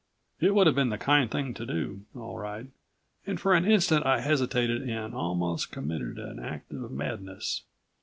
It would have been the kind thing to do, all right and for an instant I hesitated and almost committed an act of madness.